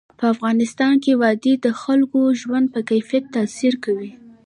په افغانستان کې وادي د خلکو د ژوند په کیفیت تاثیر کوي.